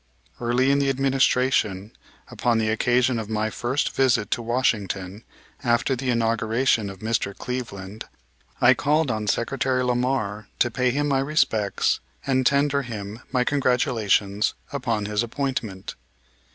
Early in the administration, upon the occasion of my first visit to Washington after the inauguration of Mr. Cleveland, I called on Secretary Lamar to pay him my respects and tender him my congratulations upon his appointment.